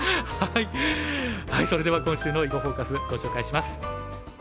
はいそれでは今週の「囲碁フォーカス」ご紹介します。